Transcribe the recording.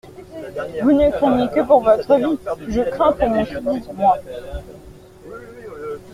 Vous ne craignez que pour votre vie, je crains pour mon crédit, moi.